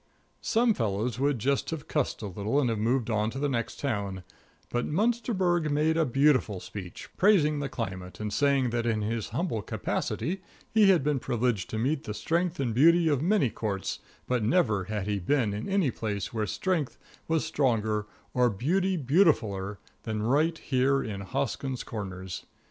Some fellows would just have cussed a little and have moved on to the next town, but Munsterberg made a beautiful speech, praising the climate, and saying that in his humble capacity he had been privileged to meet the strength and beauty of many Courts, but never had he been in any place where strength was stronger or beauty beautifuller than right here in Hoskins' Corners.